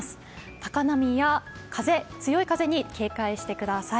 高波や強い風に警戒してください。